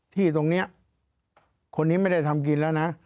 ที่ตรงนี้คนนี้ไม่ได้ทำกินแล้วนะ